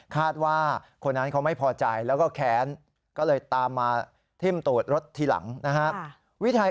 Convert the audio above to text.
คาดว่าคนนั้นเขาไม่พอใจแล้วก็แค้นก็เลยตามมาทิ้มตูดรถทีหลังนะครับ